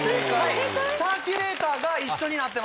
サーキュレーターが一緒になってます。